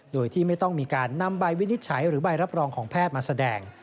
โดยที่ไม่ต้องมีการนำใบวินิจฉัยหรือใบรับรองของแพทย์มาแสดง